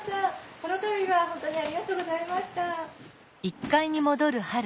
・この度は本当にありがとうございました！